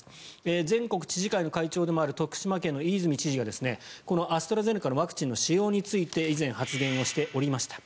全国知事会の会長でもある徳島県の飯泉知事がこのアストラゼネカのワクチンの使用について以前発言をしておりました。